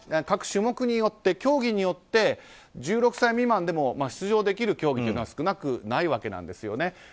各種目によって競技によって１６歳未満でも出場できる競技というのは少なくないわけなんですよね。